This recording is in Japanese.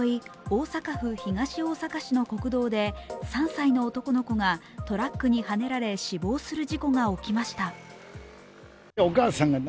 大阪府東大阪市の国道で３歳の男の子がトラックにはねられ死亡する事故が起きました。